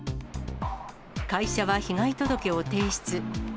会社は被害届を提出。